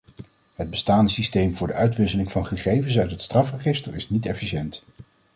Het bestaande systeem voor de uitwisseling van gegevens uit het strafregister is niet efficiënt.